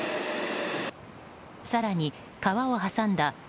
更に川を挟んだ１０ｍ